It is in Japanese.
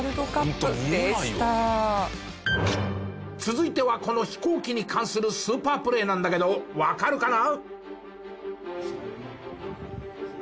続いてはこの飛行機に関するスーパープレーなんだけどわかるかな？